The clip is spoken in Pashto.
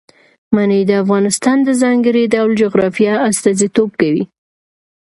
منی د افغانستان د ځانګړي ډول جغرافیه استازیتوب کوي.